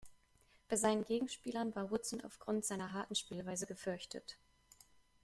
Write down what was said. Bei seinen Gegenspielern war Woodson aufgrund seiner harten Spielweise gefürchtet.